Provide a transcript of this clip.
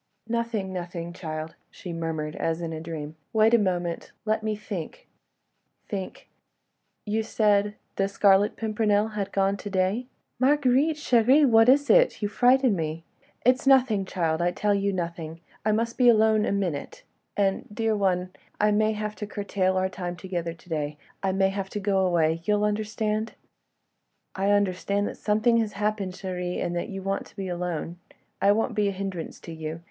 "Nothing, nothing, child," she murmured, as in a dream. "Wait a moment ... let me think ... think! ... You said ... the Scarlet Pimpernel had gone to day. ...?" "Marguerite, chérie, what is it? You frighten me. ..." "It is nothing, child, I tell you ... nothing. ... I must be alone a minute—and—dear one ... I may have to curtail our time together to day. ... I may have to go away—you'll understand?" "I understand that something has happened, chérie, and that you want to be alone. I won't be a hindrance to you.